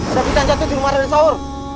saya bisa jatuh di rumah dan sahur